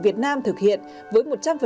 việt nam thực hiện với một trăm linh